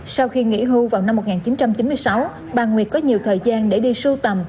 sau khi nghỉ hưu vào năm một nghìn chín trăm chín mươi sáu bà nguyệt có nhiều thời gian để đi sưu tầm